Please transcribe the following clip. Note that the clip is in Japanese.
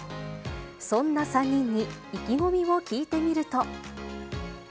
そんな３人に意気込みを聞いてみると。